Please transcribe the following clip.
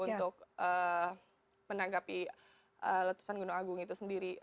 untuk menanggapi letusan gunung agung itu sendiri